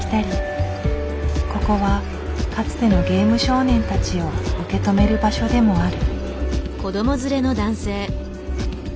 ここはかつてのゲーム少年たちを受け止める場所でもある。